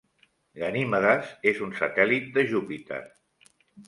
Ganimedes és un satèl·lit de Júpiter.